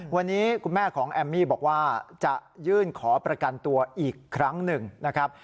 วันนี้คุณแม่ของแอมมี่บอกว่าจะยื่นขอประกันตัวอีกครั้งหนึ่งนะครับ